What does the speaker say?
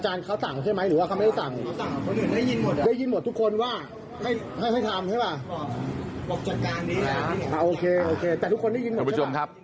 โอเคแต่ทุกคนได้ยินหมดใช่ป่ะ